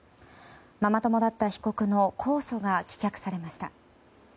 ママ友だった被告の控訴が棄却されました。